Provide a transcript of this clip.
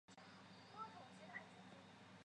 社会舆论对人大释法意见不一。